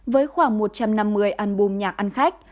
với khoảng một trăm năm mươi album nhạc ăn khách